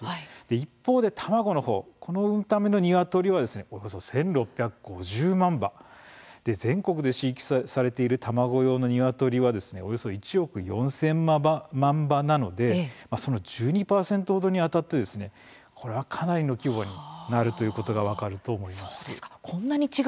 一方で卵のためのニワトリは約１６５０万羽全国で飼育されている卵用のニワトリがおよそ１億４０００万羽なのでその１２％程にあたってかなりの規模になるということが分かると思います。